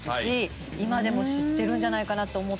今でも知ってるんじゃないかなと思って。